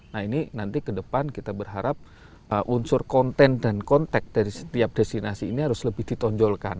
nah ini nanti ke depan kita berharap unsur konten dan kontak dari setiap destinasi ini harus lebih ditonjolkan